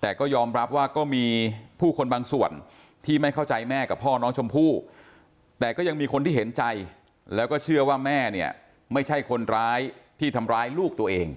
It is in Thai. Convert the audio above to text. แต่ก็ยอมรับว่าก็มีผู้คนบางส่วนที่ไม่เข้าใจแม่กับพ่อน้องชมพู่แต่ก็ยังมีคนที่เห็นใจแล้วก็เชื่อว่าแม่เนี่ยไม่ใช่คนร้ายที่ทำร้ายลูกตัวเอง